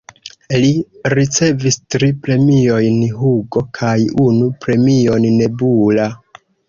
Li ricevis tri premiojn Hugo kaj unu premion Nebula.